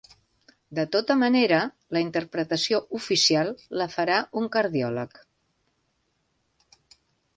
De tota manera, la interpretació "oficial" la farà un cardiòleg.